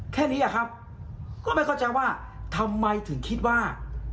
แค่นี้อะครับก็ไม่เข้าใจว่าทำไมถึงคิดว่า